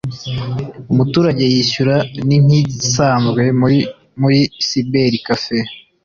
umuturage yishyura ni nk’igisanzwe muri muri cyber café